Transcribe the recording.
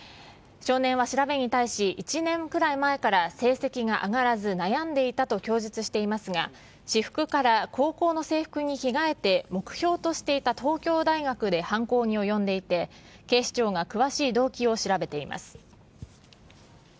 少年は調べに対し、１年くらい前から成績が上がらず悩んでいたと供述していますが、私服から高校の制服に着替えて目標としていた東京大学で犯行に及んでいて、警視庁が詳しい動機を調べています。